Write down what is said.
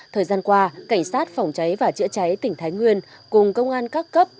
thời gian qua cảnh sát phòng cháy và chữa cháy tỉnh thái nguyên cùng công an các cấp